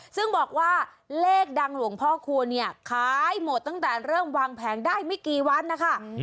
ซึ่งบอกว่าเลขดังหลวงพ่อคูณเนี่ยขายหมดตั้งแต่เริ่มวางแผงได้ไม่กี่วันนะคะ